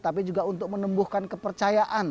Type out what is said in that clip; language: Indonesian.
tapi juga untuk menembuhkan kepercayaan